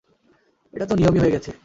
এটা তো নিয়মই হয়ে গেছে।